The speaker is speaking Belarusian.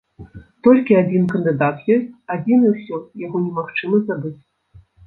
Толькі адзін кандыдат ёсць, адзін і ўсё, яго немагчыма забыць.